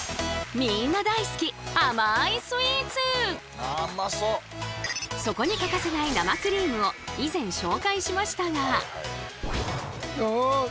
みんな大好きそこに欠かせない生クリームを以前紹介しましたが。